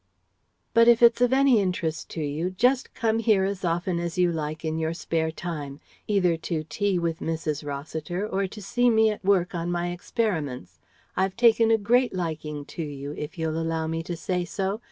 "But if it's of any interest to you, just come here as often as you like in your spare time either to tea with Mrs. Rossiter or to see me at work on my experiments. I've taken a great liking to you, if you'll allow me to say so.